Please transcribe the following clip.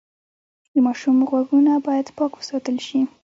د ماشوم غوږونه باید پاک وساتل شي۔